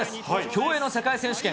競泳の世界選手権。